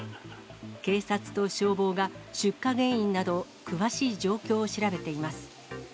警察と消防が出火原因など、詳しい状況を調べています。